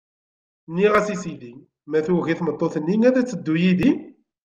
Nniɣ-as i sidi: I ma tugi tmeṭṭut-nni ad d-teddu yid-i?